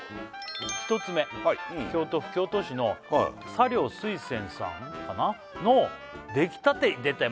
１つ目京都府京都市の茶寮翠泉さんかな？の出来立てでたよ